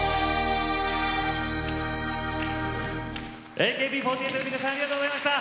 ＡＫＢ４８の皆さんありがとうございました。